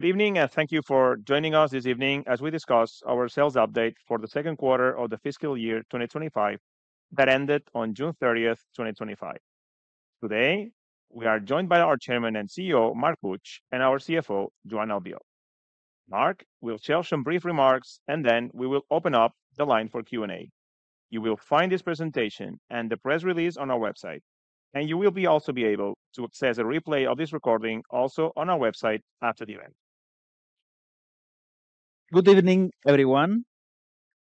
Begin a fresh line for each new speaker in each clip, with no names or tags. Good evening, and thank you for joining us this evening as we discuss our sales update for the second quarter of the fiscal year 2025 that ended on June 30, 2025. Today, we are joined by our Chairman and CEO, Marc Puig, and our CFO, Joan Albiol. Marc will share some brief remarks, and then we will open up the line for Q&A. You will find this presentation and the press release on our website, and you will also be able to access a replay of this recording also on our website after the event.
Good evening, everyone.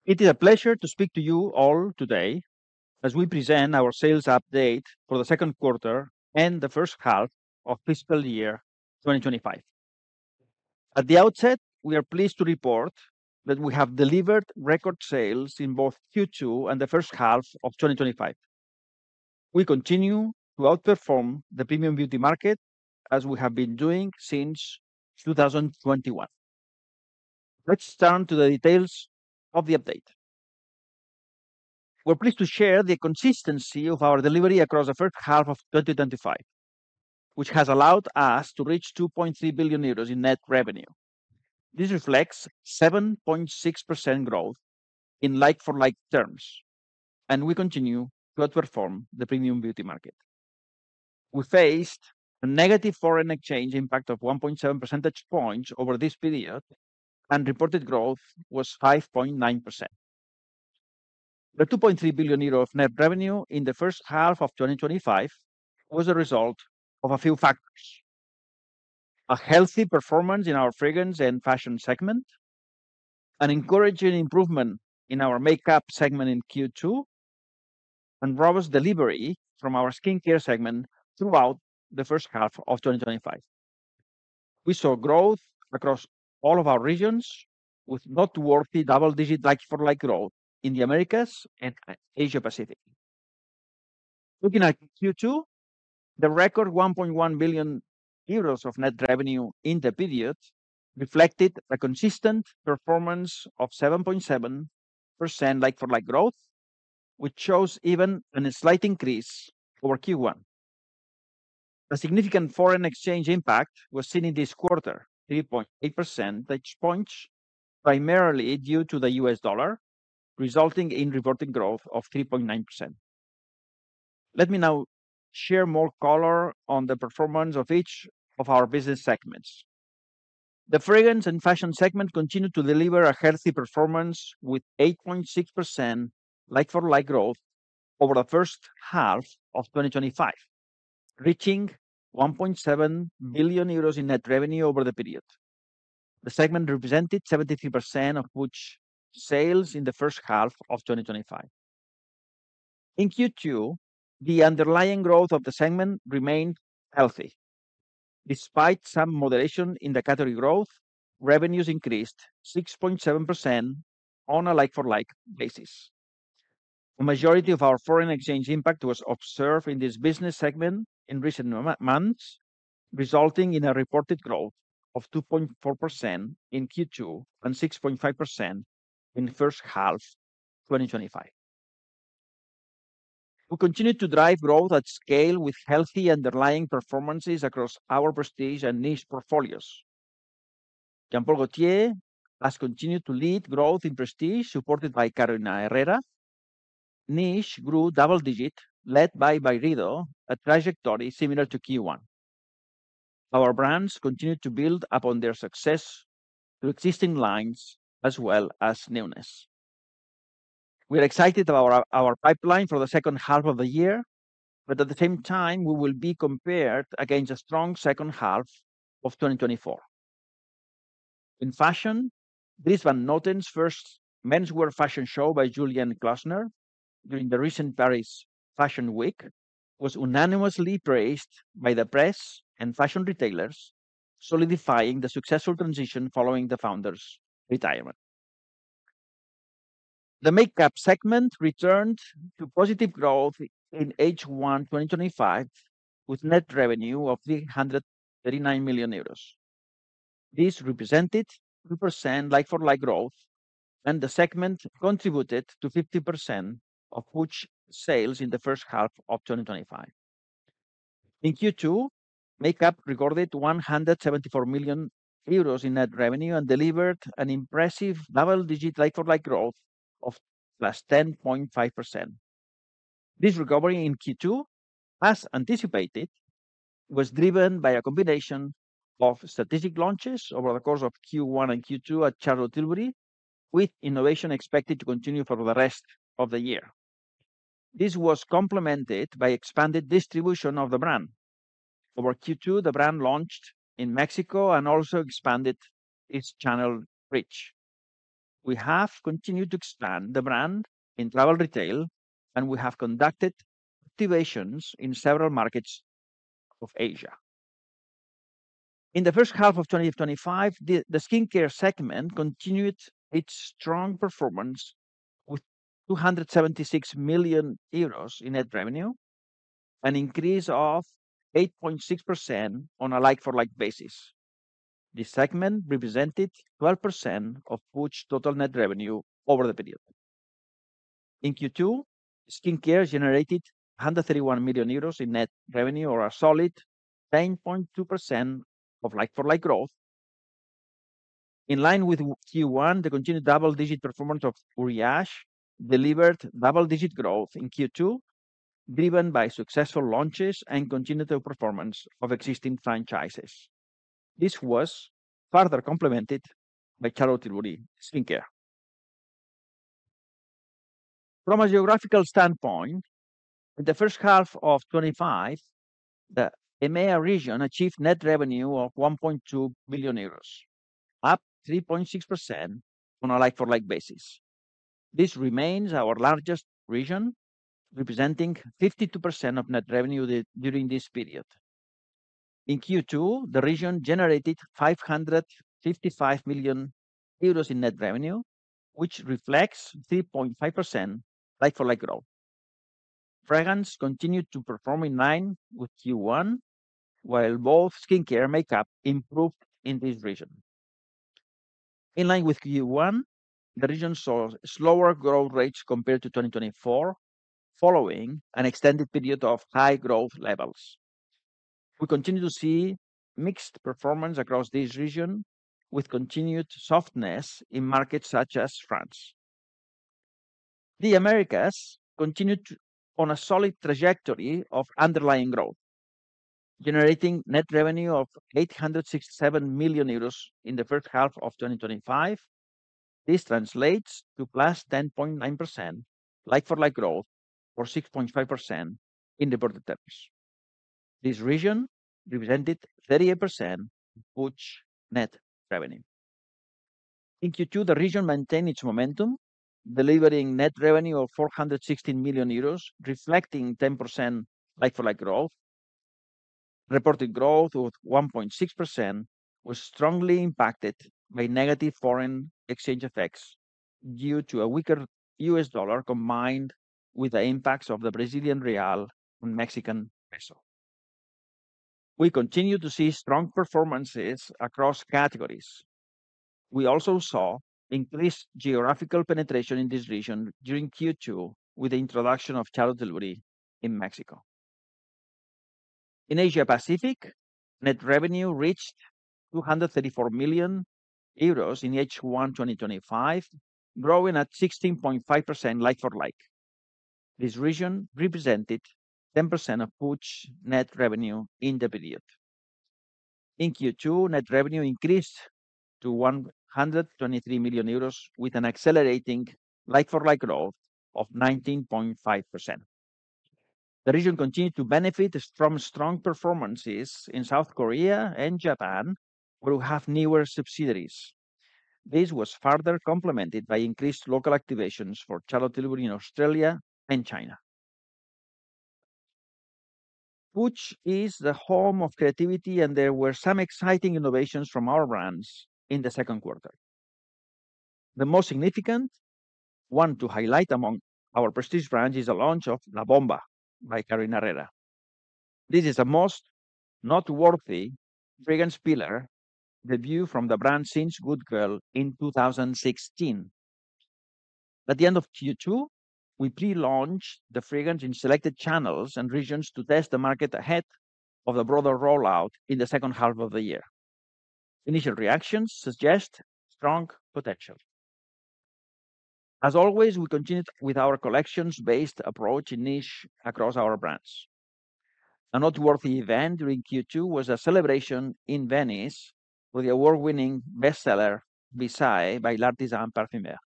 It is a pleasure to speak to you all today as we present our sales update for the second quarter and the first half of fiscal year 2025. At the outset, we are pleased to report that we have delivered record sales in both Q2 and the first half of 2025. We continue to outperform the premium beauty market as we have been doing since 2021. Let's turn to the details of the update. We're pleased to share the consistency of our delivery across the first half of 2025, which has allowed us to reach 2.3 billion euros in net revenue. This reflects 7.6% growth in like-for-like terms, and we continue to outperform the premium beauty market. We faced a negative foreign exchange impact of 1.7 percentage points over this period, and reported growth was 5.9%. The 2.3 billion euro net revenue in the first half of 2025 was the result of a few factors. A healthy performance in our fragrance and fashion segment. An encouraging improvement in our makeup segment in Q2. A robust delivery from our skincare segment throughout the first half of 2025. We saw growth across all of our regions with noteworthy double-digit like-for-like growth in the Americas and Asia-Pacific. Looking at Q2, the record 1.1 billion euros of net revenue in the period reflected a consistent performance of 7.7% like-for-like growth, which shows even a slight increase over Q1. A significant foreign exchange impact was seen in this quarter, 3.8 percentage points, primarily due to the US dollar, resulting in reported growth of 3.9%. Let me now share more color on the performance of each of our business segments. The fragrance and fashion segment continued to deliver a healthy performance with 8.6% like-for-like growth over the first half of 2025, reaching 1.7 billion euros in net revenue over the period. The segment represented 73% of Puig's sales in the first half of 2025. In Q2, the underlying growth of the segment remained healthy. Despite some moderation in the category growth, revenues increased 6.7% on a like-for-like basis. The majority of our foreign exchange impact was observed in this business segment in recent months, resulting in a reported growth of 2.4% in Q2 and 6.5% in the first half of 2025. We continue to drive growth at scale with healthy underlying performances across our prestige and niche portfolios. Jean Paul Gaultier has continued to lead growth in prestige supported by Carolina Herrera. Niche grew double-digit, led by Byredo, a trajectory similar to Q1. Our brands continue to build upon their success. Through existing lines as well as newness. We are excited about our pipeline for the second half of the year, but at the same time, we will be compared against a strong second half of 2024. In fashion, this one-night first menswear fashion show by Julien Dossena during the recent Paris Fashion Week was unanimously praised by the press and fashion retailers, solidifying the successful transition following the founder's retirement. The makeup segment returned to positive growth in H1 2025 with net revenue of 339 million euros. This represented 2% like-for-like growth, and the segment contributed to 50% of Puig's sales in the first half of 2025. In Q2, makeup recorded 174 million euros in net revenue and delivered an impressive double-digit like-for-like growth of +10.5%. This recovery in Q2, as anticipated. Was driven by a combination of strategic launches over the course of Q1 and Q2 at Charlotte Tilbury, with innovation expected to continue for the rest of the year. This was complemented by expanded distribution of the brand. Over Q2, the brand launched in Mexico and also expanded its channel reach. We have continued to expand the brand in travel retail, and we have conducted activations in several markets of Asia. In the first half of 2025, the skincare segment continued its strong performance with 276 million euros in net revenue, an increase of 8.6% on a like-for-like basis. This segment represented 12% of Puig's total net revenue over the period. In Q2, skincare generated 131 million euros in net revenue, or a solid 10.2% of like-for-like growth. In line with Q1, the continued double-digit performance of Uriage delivered double-digit growth in Q2, driven by successful launches and continued performance of existing franchises. This was further complemented by Charlotte Tilbury Skincare. From a geographical standpoint, in the first half of 2025, the EMEA region achieved net revenue of 1.2 billion euros, up 3.6% on a like-for-like basis. This remains our largest region, representing 52% of net revenue during this period. In Q2, the region generated 555 million euros in net revenue, which reflects 3.5% like-for-like growth. Fragrance continued to perform in line with Q1, while both skincare and makeup improved in this region. In line with Q1, the region saw slower growth rates compared to 2024, following an extended period of high growth levels. We continue to see mixed performance across this region, with continued softness in markets such as France. The Americas continued on a solid trajectory of underlying growth, generating net revenue of 867 million euros in the first half of 2025. This translates to +10.9% like-for-like growth or 6.5% in reported terms. This region represented 38% of Puig's net revenue. In Q2, the region maintained its momentum, delivering net revenue of 416 million euros, reflecting 10% like-for-like growth. Reported growth of 1.6% was strongly impacted by negative foreign exchange effects due to a weaker US dollar combined with the impacts of the Brazilian real and Mexican peso. We continue to see strong performances across categories. We also saw increased geographical penetration in this region during Q2 with the introduction of Charlotte Tilbury in Mexico. In Asia-Pacific, net revenue reached 234 million euros. In H1 2025, growing at 16.5% like-for-like. This region represented 10% of Puig's net revenue in the period. In Q2, net revenue increased to 123 million euros, with an accelerating like-for-like growth of 19.5%. The region continued to benefit from strong performances in South Korea and Japan, where we have newer subsidiaries. This was further complemented by increased local activations for Charlotte Tilbury in Australia and China. Puig is the home of creativity, and there were some exciting innovations from our brands in the second quarter. The most significant one to highlight among our prestige brands is the launch of La Bomba by Carolina Herrera. This is the most noteworthy fragrance pillar debut from the brand since Good Girl in 2016. At the end of Q2, we pre-launched the fragrance in selected channels and regions to test the market ahead of the broader rollout in the second half of the year. Initial reactions suggest strong potential. As always, we continued with our collections-based approach in niche across our brands. A noteworthy event during Q2 was a celebration in Venice for the award-winning bestseller Visai by L'Artisan Parfumeur.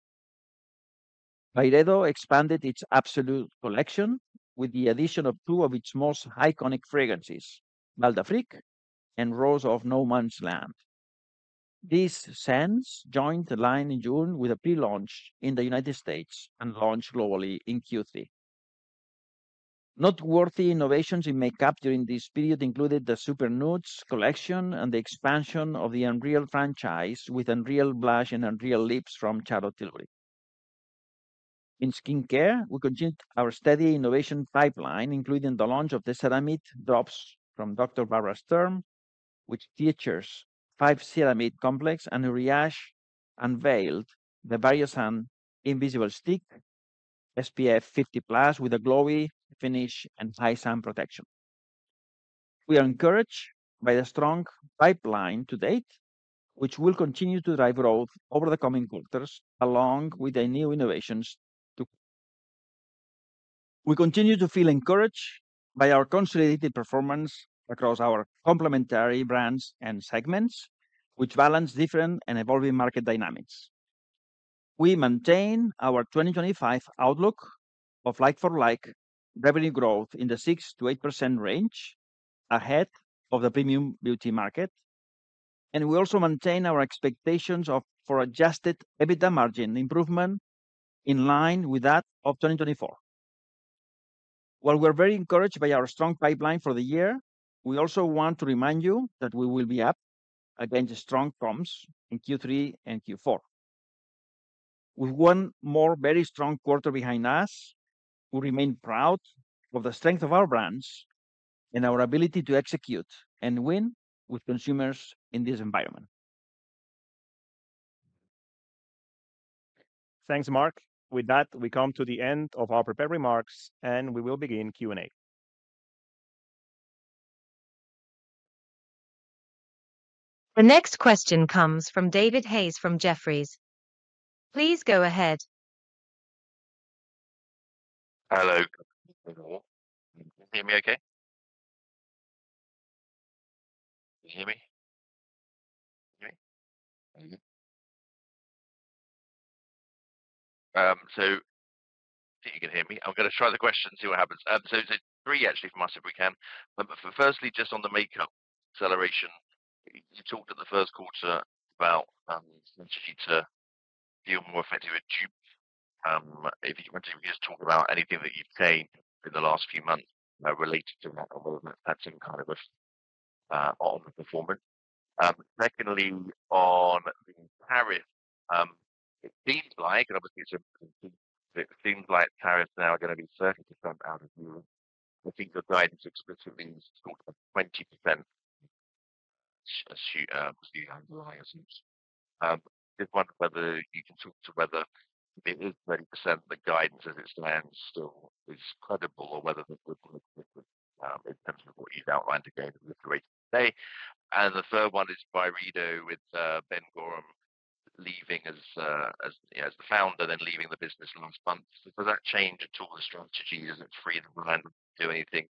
Byredo expanded its Absolut collection with the addition of two of its most iconic fragrances, Val d'Afrique and Rose of No Man's Land. These scents joined the line in June with a pre-launch in the United States and launched globally in Q3. Noteworthy innovations in makeup during this period included the Super Nudes collection and the expansion of the Unreal franchise with Unreal Blush and Unreal Lips from Charlotte Tilbury. In skincare, we continued our steady innovation pipeline, including the launch of the Ceramide Drops from Dr. Barbara Sturm, which features 5 Ceramide Complex, and Uriage unveiled the VarioSun Invisible Stick SPF 50+ with a glowy finish and high sun protection. We are encouraged by the strong pipeline to date, which will continue to drive growth over the coming quarters along with the new innovations to come. We continue to feel encouraged by our consolidated performance across our complementary brands and segments, which balance different and evolving market dynamics. We maintain our 2025 outlook of like-for-like revenue growth in the 6%-8% range ahead of the premium beauty market. We also maintain our expectations for adjusted EBITDA margin improvement in line with that of 2024. While we are very encouraged by our strong pipeline for the year, we also want to remind you that we will be up against strong comps in Q3 and Q4. With one more very strong quarter behind us, we remain proud of the strength of our brands and our ability to execute and win with consumers in this environment. Thanks, Marc. With that, we come to the end of our prepared remarks, and we will begin Q&A.
Our next question comes from David Hayes from Jefferies. Please go ahead.
Hello. Can you hear me okay? Can you hear me? I think you can hear me. I'm going to try the question and see what happens. It's a three, actually, from us, if we can. Firstly, just on the makeup acceleration, you talked at the first quarter about continue to feel more effective at dupe. If you want to just talk about anything that you've seen in the last few months related to that, that's kind of on the performance. Secondly, on the tariff. It seems like, and obviously it seems like tariffs now are going to be 30% out of Europe. I think the guidance explicitly talked about 20%. Just wanted to know whether you can talk to whether it is 30%, the guidance as it stands still is credible, or whether this looks different in terms of what you've outlined again with the rate of today. The third one is Byredo with Ben Gorham leaving as the founder, then leaving the business last month. Does that change at all the strategy? Is it free and do anything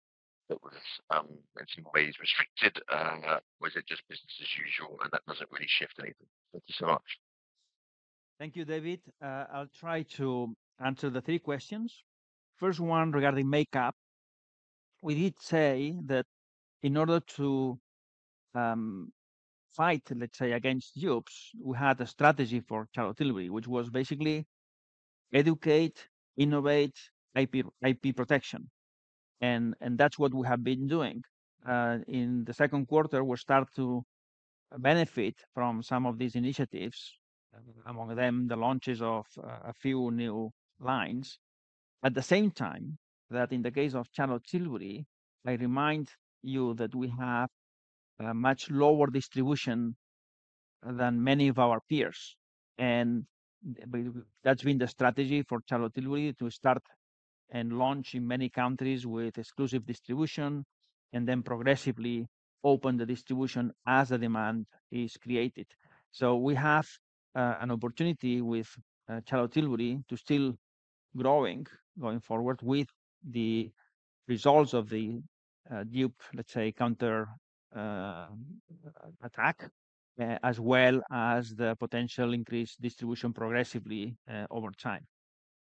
that was in some ways restricted? Or is it just business as usual, and that does not really shift anything? Thank you so much.
Thank you, David. I'll try to answer the three questions. First one regarding makeup. We did say that in order to fight, let's say, against dupes, we had a strategy for Charlotte Tilbury, which was basically educate, innovate, IP protection. That's what we have been doing. In the second quarter, we start to. Benefit from some of these initiatives, among them the launches of a few new lines. At the same time, in the case of Charlotte Tilbury, I remind you that we have much lower distribution than many of our peers. That has been the strategy for Charlotte Tilbury to start and launch in many countries with exclusive distribution, and then progressively open the distribution as the demand is created. We have an opportunity with Charlotte Tilbury to still grow going forward with the results of the dupe, let's say, counterattack, as well as the potential increased distribution progressively over time.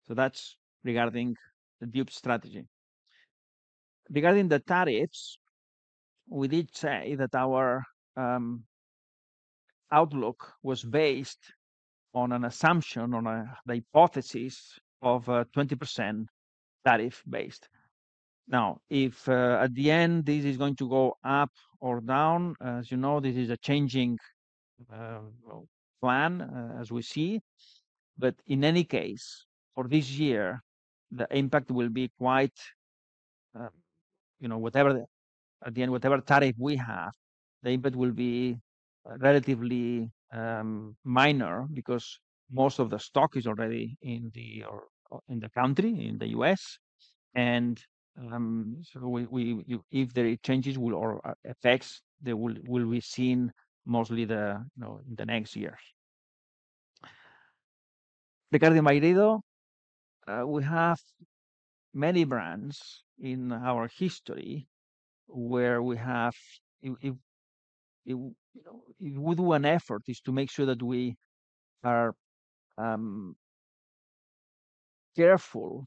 That is regarding the dupe strategy. Regarding the tariffs, we did say that our outlook was based on an assumption, on a hypothesis of a 20% tariff base. Now, if at the end, this is going to go up or down, as you know, this is a changing. Plan, as we see. In any case, for this year, the impact will be quite. Whatever, at the end, whatever tariff we have, the impact will be relatively minor because most of the stock is already in the country, in the US. If there are changes or effects, they will be seen mostly in the next years. Regarding Byredo, we have many brands in our history where we do an effort to make sure that we are careful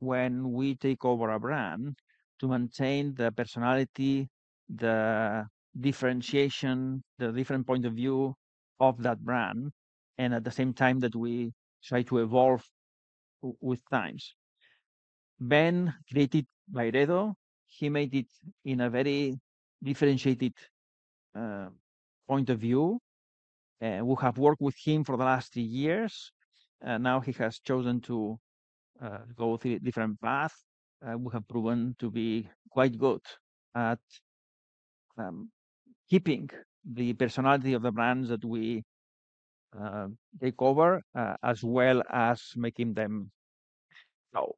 when we take over a brand to maintain the personality, the differentiation, the different point of view of that brand, and at the same time that we try to evolve with times. Ben created Byredo. He made it in a very differentiated point of view. We have worked with him for the last three years. Now he has chosen to go through a different path. We have proven to be quite good at keeping the personality of the brands that we take over, as well as making them known.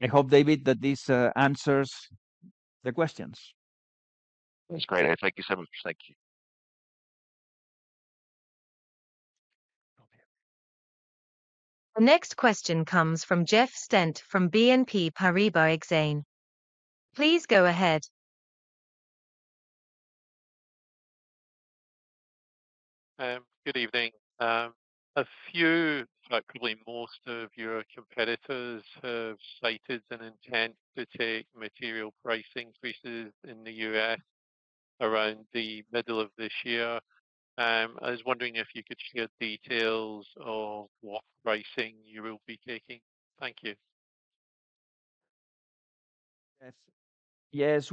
I hope, David, that this answers the questions.
That's great. Thank you so much. Thank you.
The next question comes from Jeff Stent from BNP Paribas Exane. Please go ahead.
Good evening. A few, probably most of your competitors have stated an intent to take material price increases in the U.S. around the middle of this year. I was wondering if you could share details of what pricing you will be taking. Thank you.
Yes.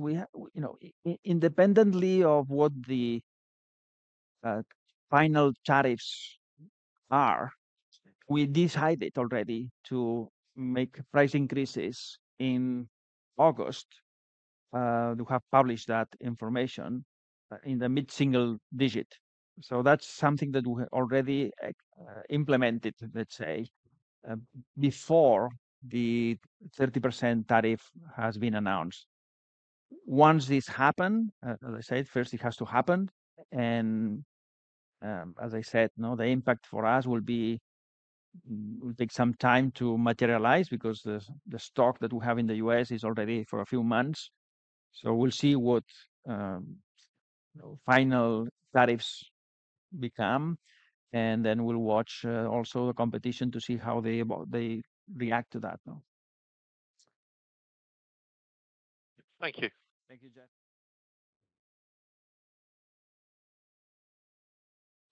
Independently of what the final tariffs are, we decided already to make price increases in August. To have published that information in the mid-single digit. So that's something that we already implemented, let's say, before the 30% tariff has been announced. Once this happens, as I said, first it has to happen. As I said, the impact for us will take some time to materialize because the stock that we have in the US is already for a few months. We will see what final tariffs become, and then we will watch also the competition to see how they react to that.
Thank you.
Thank you, Jeff.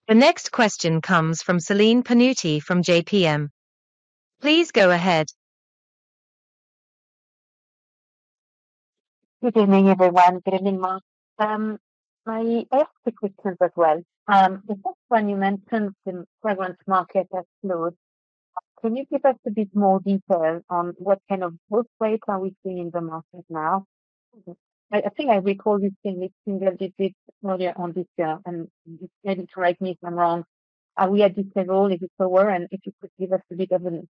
The next question comes from Celine Panutti from JPM. Please go ahead.
Good evening, everyone. Good evening, Marc. I asked the questions as well. The first one, you mentioned the fragrance market has closed. Can you give us a bit more detail on what kind of growth rates are we seeing in the market now? I think I recall you saying it is single digit earlier on this year, and just ready to right me if I am wrong. Are we at this level? Is it lower? If you could give us a bit of an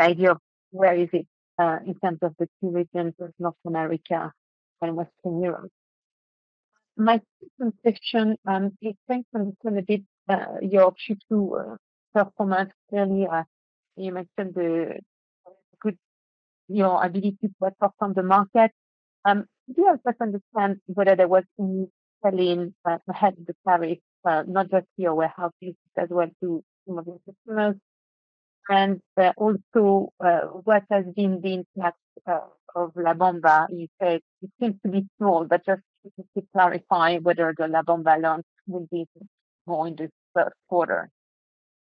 idea of where is it in terms of the two regions of North America and Western Europe. My second question, it depends on a bit your Q2 performance. Clearly, you mentioned the good ability to perform the market. Do you understand whether there was any selling ahead of the tariffs, not just your warehouses as well to some of your customers? Also, what has been the impact of La Bomba? You said it seems to be small, but just to clarify whether the La Bomba launch will be more in the first quarter.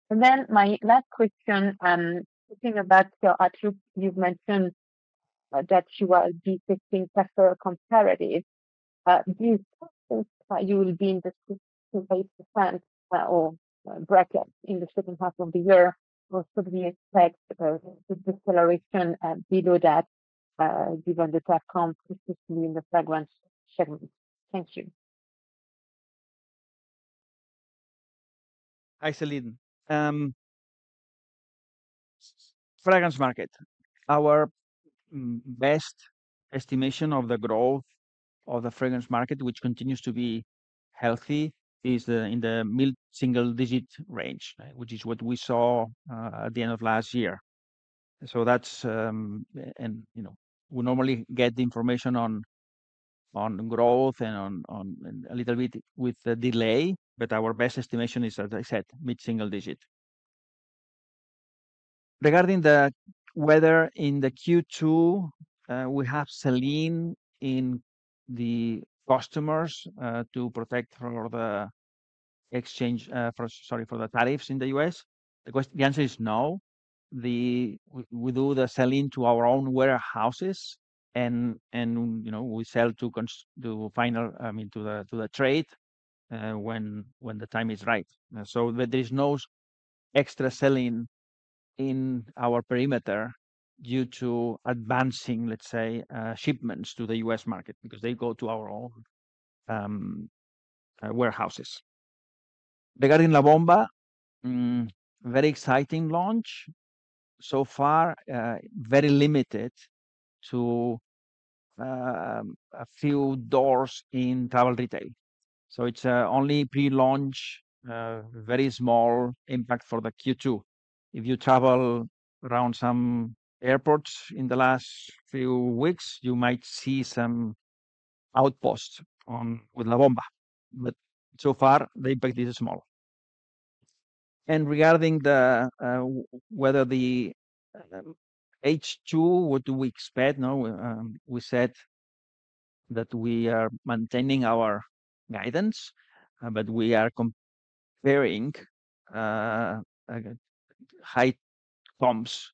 My last question, thinking about your attributes, you've mentioned that you will be testing test comparative. Do you think you will be in the 6-8% bracket in the second half of the year, or should we expect the deceleration below that? Given the tech comp specifically in the fragrance segment? Thank you.
Hi, Celine. Fragrance market. Our best estimation of the growth of the fragrance market, which continues to be healthy, is in the mid-single digit range, which is what we saw at the end of last year. We normally get the information on growth a little bit with the delay, but our best estimation is, as I said, mid-single digit. Regarding the weather in Q2, we have selling in the customers to protect for the exchange, sorry, for the tariffs in the US. The answer is no. We do the selling to our own warehouses, and we sell to final, I mean, to the trade. When the time is right. There is no extra selling in our perimeter due to advancing, let's say, shipments to the U.S. market because they go to our own warehouses. Regarding La Bomba, very exciting launch. So far, very limited to a few doors in travel retail. It is only pre-launch, very small impact for the Q2. If you travel around some airports in the last few weeks, you might see some outposts with La Bomba. So far, the impact is small. Regarding whether the H2, what do we expect? We said that we are maintaining our guidance, but we are comparing high comps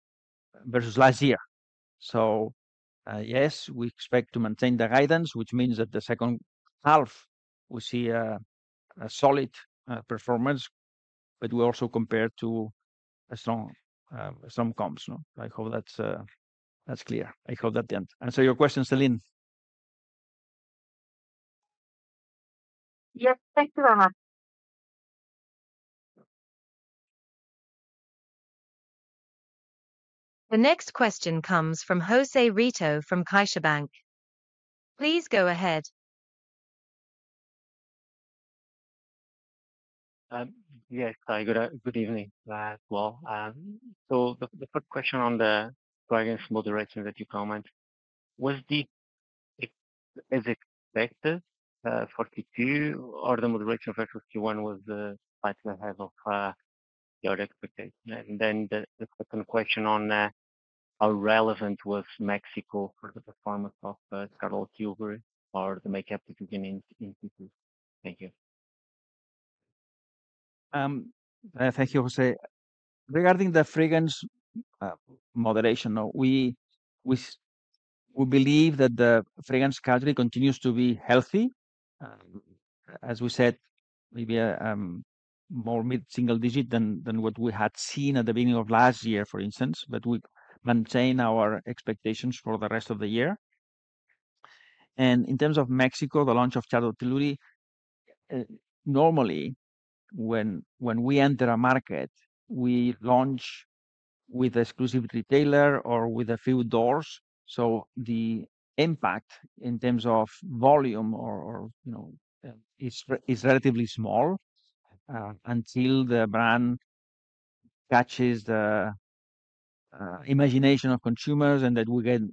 versus last year. Yes, we expect to maintain the guidance, which means that the second half, we see a solid performance, but we also compare to some comps. I hope that's clear. I hope that answers your question, Celine.
Yes, thank you very much.
The next question comes from José Rito from CaixaBank. Please go ahead.
Yes, hi. Good evening as well. The first question on the fragrance moderation that you comment, was that as expected for Q2, or the moderation for Q1 was slightly ahead of your expectation? The second question on how relevant was Mexico for the performance of Charlotte Tilbury or the makeup that you've been in Q2? Thank you.
Thank you, José. Regarding the fragrance moderation, we believe that the fragrance category continues to be healthy. As we said, maybe more mid-single digit than what we had seen at the beginning of last year, for instance, but we maintain our expectations for the rest of the year. In terms of Mexico, the launch of Charlotte Tilbury. Normally, when we enter a market, we launch with an exclusive retailer or with a few doors. The impact in terms of volume is relatively small until the brand catches the imagination of consumers and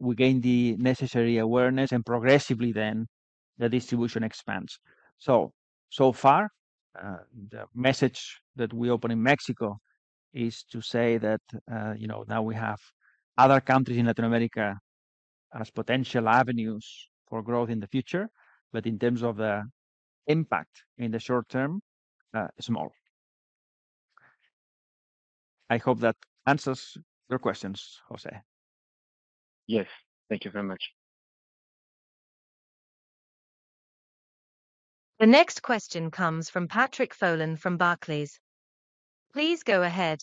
we gain the necessary awareness, and progressively then, the distribution expands. So far, the message that we open in Mexico is to say that now we have other countries in Latin America as potential avenues for growth in the future, but in terms of the impact in the short term, small. I hope that answers your questions, José.
Yes. Thank you very much.
The next question comes from Patrick Folan from Barclays. Please go ahead.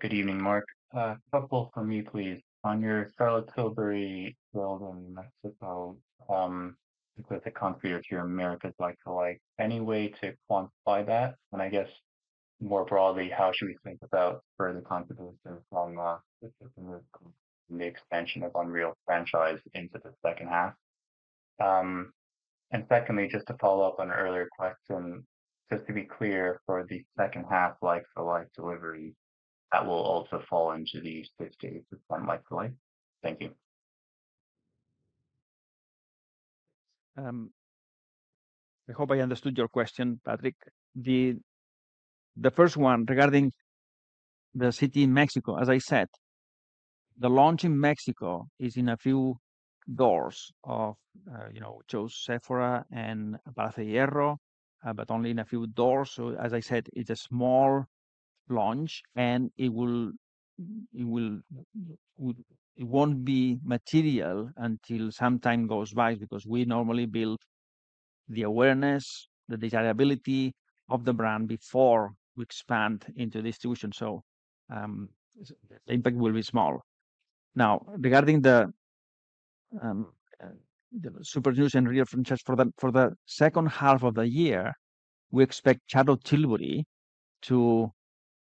Good evening, Marc. Couple for me, please. On your Charlotte Tilbury world in Mexico. The country or two Americas like-for-like. Any way to quantify that? I guess, more broadly, how should we think about further contributions from the expansion of Unreal franchise into the second half? Secondly, just to follow up on an earlier question, just to be clear, for the second half like-for-like delivery, that will also fall into the 50% like-for-like? Thank you.
I hope I understood your question, Patrick. The first one, regarding the city in Mexico, as I said, the launch in Mexico is in a few doors of Chose, Sephora, and Pase Hierro, but only in a few doors. As I said, it's a small launch, and it won't be material until some time goes by because we normally build the awareness, the desirability of the brand before we expand into distribution. The impact will be small. Now, regarding the. Super Juice and Real franchise, for the second half of the year, we expect Charlotte Tilbury to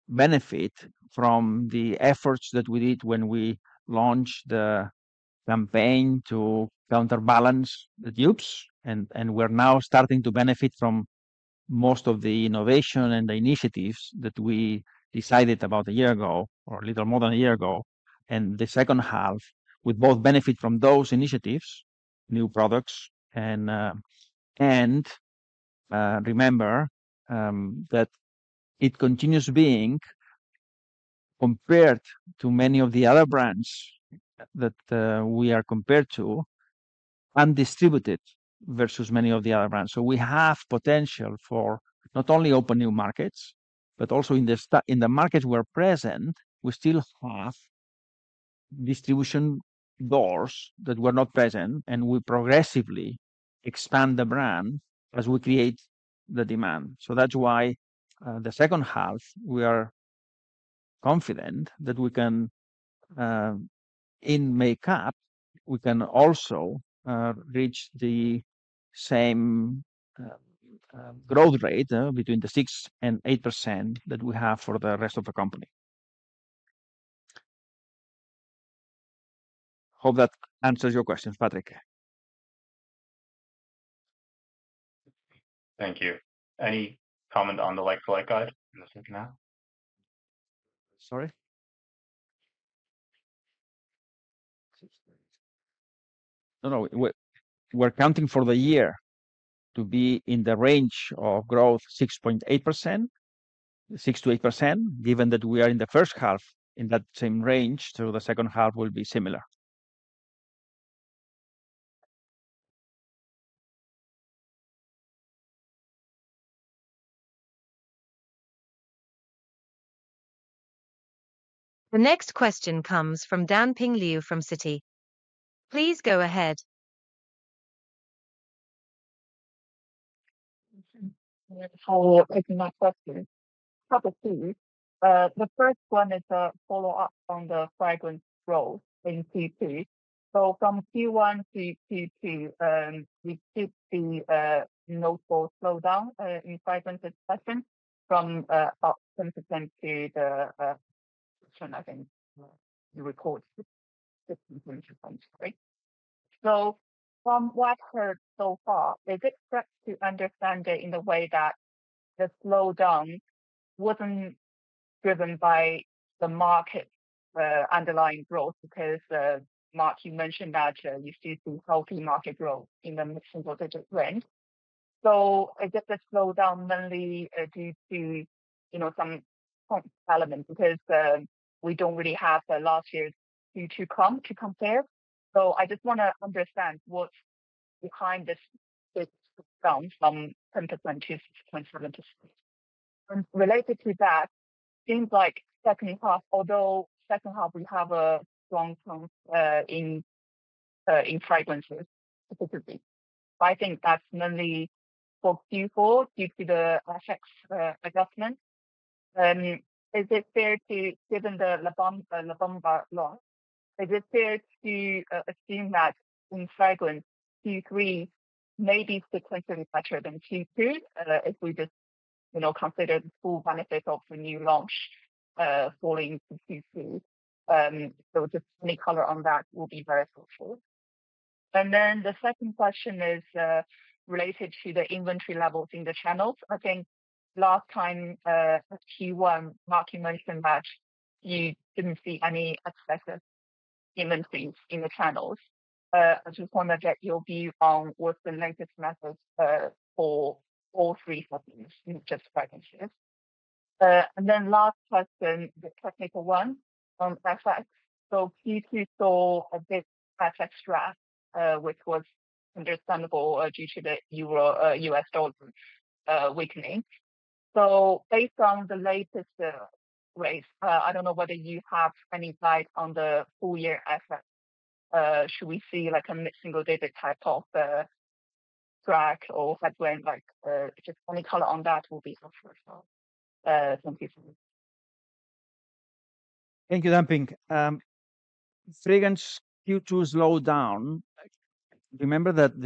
benefit from the efforts that we did when we launched the campaign to counterbalance the dupes. We are now starting to benefit from most of the innovation and the initiatives that we decided about a year ago or a little more than a year ago. In the second half, we both benefit from those initiatives, new products. Remember that it continues being compared to many of the other brands that we are compared to. Undistributed versus many of the other brands. We have potential for not only open new markets, but also in the markets we are present, we still have distribution doors that were not present, and we progressively expand the brand as we create the demand. That is why the second half, we are confident that. In makeup, we can also reach the same growth rate between the 6-8% that we have for the rest of the company. Hope that answers your questions, Patrick.
Thank you. Any comment on the like-for-like guide in the second half?
Sorry? No, no. We're counting for the year to be in the range of growth 6-8%. 6-8%, given that we are in the first half in that same range, so the second half will be similar.
The next question comes from Dan Ping Liu from Citi. Please go ahead.
For opening up questions. Couple of things. The first one is a follow-up on the fragrance growth in Q2. So from Q1 to Q2, we keep the notable slowdown in fragrance expansion from 2010 to 2015, I think, the record. 2015 to 2020, right? From what I've heard so far, is it correct to understand it in the way that the slowdown was not driven by the market underlying growth? Because Marc, you mentioned that you see some healthy market growth in the single-digit range. Is the slowdown mainly due to some comp elements? Because we do not really have last year's Q2 comp to compare. I just want to understand what is behind this big slowdown from 10% to 6.7%. Related to that, it seems like second half, although second half, we have a strong in fragrances specifically. I think that is mainly for Q4 due to the effects adjustment. Is it fair to, given the La Bomba launch, is it fair to assume that in fragrance, Q3 may be sequentially better than Q2 if we just consider the full benefit of the new launch falling to Q3? Just any color on that will be very helpful. The second question is related to the inventory levels in the channels. I think last time, Q1, Marc mentioned that you did not see any excessive inventories in the channels. I just want to get your view on what is the latest method for all three segments, not just fragrances. The last question, the technical one, on effects. Q2 saw a bit of effects draft, which was understandable due to the US dollar weakening. Based on the latest rate, I do not know whether you have any guide on the full-year effects. Should we see a single-digit type of track or headwind? Just any color on that will be helpful as well. Thank you for your question.
Thank you, Dan Ping. Fragrance Q2 slowdown. Remember that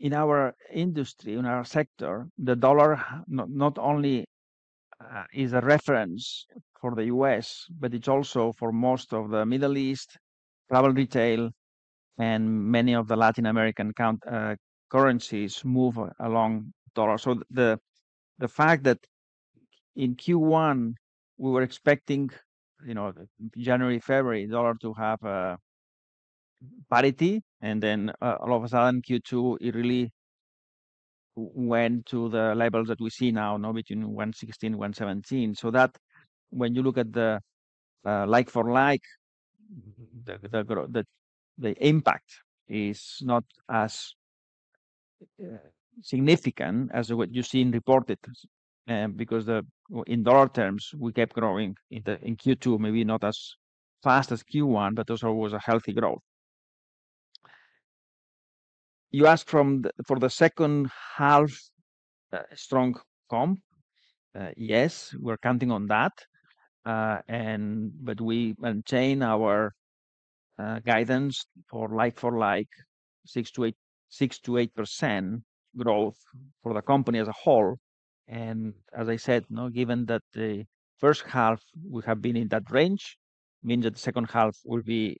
in our industry, in our sector, the dollar not only. Is a reference for the U.S., but it's also for most of the Middle East, travel retail, and many of the Latin American. Currencies move along dollar. So the fact that in Q1, we were expecting January, February, dollar to have parity, and then all of a sudden, Q2, it really went to the levels that we see now, between 1.16-1.17. When you look at the like-for-like, the impact is not as significant as what you've seen reported because in dollar terms, we kept growing in Q2, maybe not as fast as Q1, but also it was a healthy growth. You asked for the second half. Strong comp. Yes, we're counting on that. We maintain our guidance for like-for-like, 6%-8% growth for the company as a whole. As I said, given that the first half, we have been in that range, means that the second half will be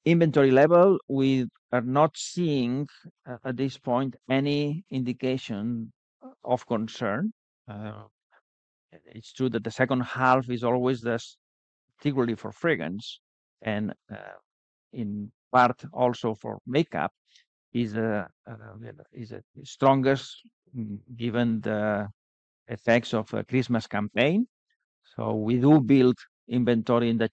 in a similar range. Inventory level, we are not seeing at this point any indication of concern. It's true that the second half is always the, particularly for fragrance, and in part also for makeup, is the strongest given the effects of a Christmas campaign. We do build inventory in the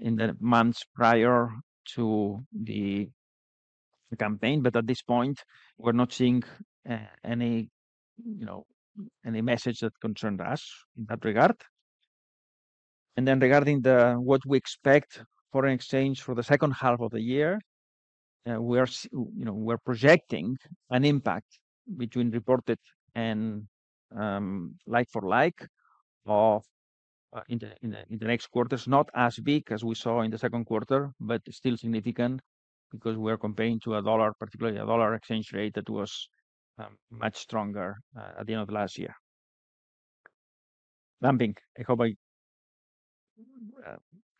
channel in the months prior to the campaign, but at this point, we're not seeing any message that concerns us in that regard. Then regarding what we expect for an exchange for the second half of the year, we're projecting an impact between reported and like-for-like in. The next quarter, not as big as we saw in the second quarter, but still significant because we are comparing to a dollar, particularly a dollar exchange rate that was much stronger at the end of last year. Dan Ping, I hope I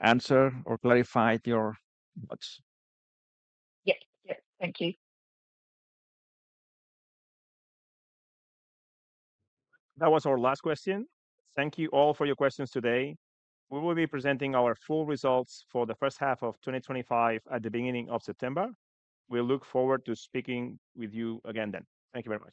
answered or clarified your thoughts.
Yes. Yes. Thank you. That was our last question. Thank you all for your questions today. We will be presenting our full results for the first half of 2025 at the beginning of September. We look forward to speaking with you again then. Thank you very much.